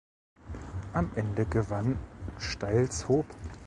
Am Ende gewann Steilshoop.